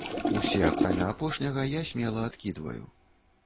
Усе акрамя апошняга я смела адкідваю.